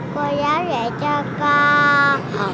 cô giáo dạy cho con